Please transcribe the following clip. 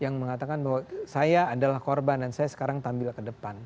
yang mengatakan bahwa saya adalah korban dan saya sekarang tampil ke depan